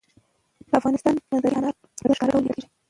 د افغانستان په منظره کې انار په ډېر ښکاره ډول لیدل کېږي.